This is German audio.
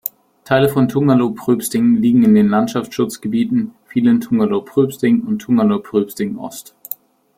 Teile von Tungerloh-Pröbsting liegen in den Landschaftsschutzgebieten "Velen-Tungerloh-Pröbsting" und "Tungerloh-Pröbsting Ost".